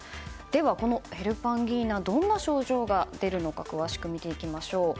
このヘルパンギーナどんな症状が出るのか詳しく見ていきましょう。